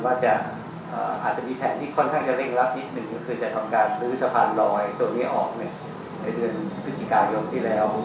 อาจจะอาจจะมีแผนที่ค่อนข้างจะเร่งรัดนิดหนึ่งก็คือจะทำการซื้อสะพานลอยตัวนี้ออกในเดือนพฤศจิกายนที่แล้ว